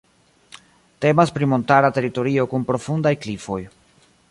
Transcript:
Temas pri montara teritorio kun profundaj klifoj.